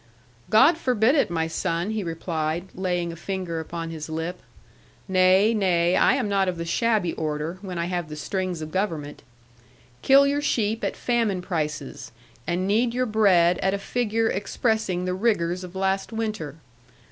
'God forbid it, my son!' he replied, laying a finger upon his lip: 'Nay, nay, I am not of the shabby order, when I have the strings of government. Kill your sheep at famine prices, and knead your bread at a figure expressing the rigours of last winter.